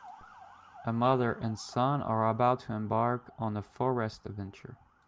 A mother and son are about to embark on a forest adventure.